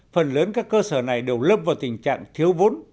phần lớn các cơ sở này đều lâm vào tình trạng thiếu vốn